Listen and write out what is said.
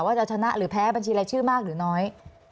ว่าจะชนะหรือแพ้บัญชีรายชื่อมากหรือน้อย